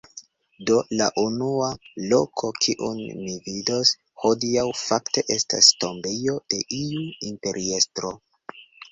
Do, la unua loko, kiun mi vidos hodiaŭ fakte estas tombejo de iu imperiestro